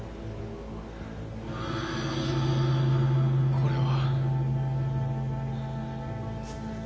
これは。